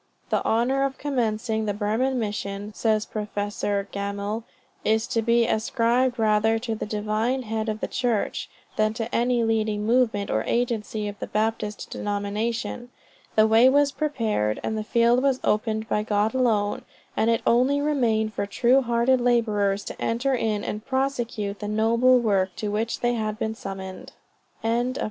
The honor of commencing the Burman Mission, says Prof. Gammell, "is to be ascribed rather to the Divine Head of the Church, than to any leading movement or agency of the Baptist denomination. The way was prepared and the field was opened by God alone, and it only remained for true hearted laborers to enter in and prosecute the noble work to which they had been summoned." CHAPTER IV.